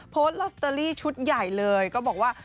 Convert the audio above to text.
โพสต์ลอตเตอรี่ชุดใหญ่เลยก็บอกว่า